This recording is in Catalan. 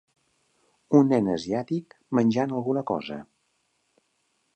Un nen asiàtic menjant alguna cosa.